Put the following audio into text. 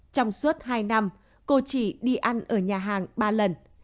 trong suốt hai năm cô chỉ đi ăn ở nhà hàng ba lần